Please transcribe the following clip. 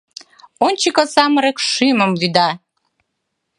Ончыко самырык шӱмым вӱда.